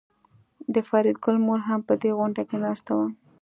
د فریدګل مور هم په دې غونډه کې ناسته وه